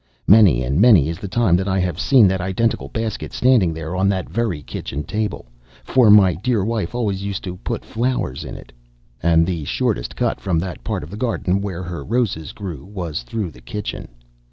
Many and many is the time that I have seen that identical basket standing there on that very kitchen table, for my dear wife always used it to put flowers in, and the shortest cut from that part of the garden where her roses grew was through the kitchen.